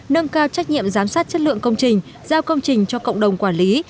nâng cao trách nhiệm giám sát chất lượng công trình giao công trình cho cộng đồng quản lý